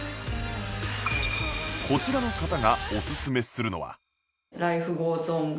こちらの方がおすすめするのは